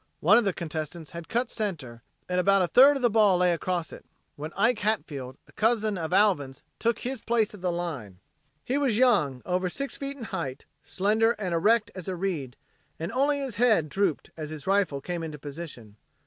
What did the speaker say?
One of the contestants had cut center and about a third of the ball lay across it, when Ike Hatfield, a cousin of Alvin's, took "his place at the line." He was young, over six feet in height, slender and erect as a reed, and only his head drooped as his rifle came into position.